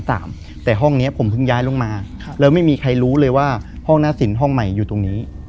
แต่ห้องนี้ผมเพิ่งย้ายลงมาแล้วไม่มีใครรู้เลยว่าห้องหน้าสินห้องใหม่อยู่ตรงนี้